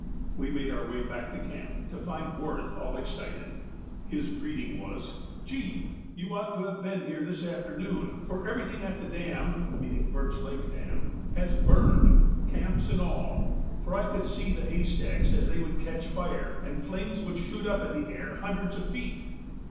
We made our way back to camp to find Wirth all excited. His greeting was, âGee, you ought to have been here this afternoon, for everything at the damâ meaning Birch Lake dam âhas burned, camps and all, for I could see the hay stacks as they would catch fire and the flames shoot up in the air hundreds of feet.